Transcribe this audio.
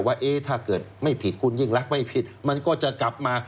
ว่าถ้าเกิดไม่ผิดคุณยิ่งรักไม่ผิดมันก็จะกลับมา